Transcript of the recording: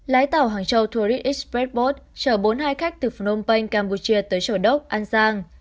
lái tàu hàng châu tourist express bus chở bốn mươi hai khách từ phnom penh campuchia tới châu đốc an giang